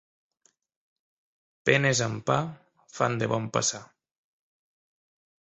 Penes amb pa, fan de bon passar.